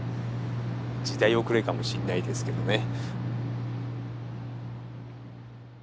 時代遅れかもしんないですけどね。